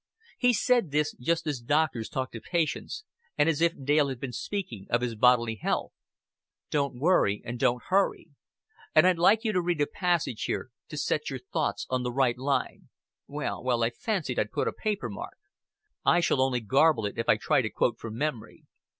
He said this just as doctors talk to patients, and as if Dale had been speaking of his bodily health. "Don't worry and don't hurry. And I'd like to read you a passage here, to set your thoughts on the right line.... Well, well, I fancied I'd put a paper mark. I shall only garble it if I try to quote from memory.